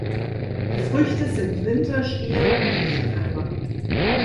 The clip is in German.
Die Früchte sind Wintersteher und Lichtkeimer.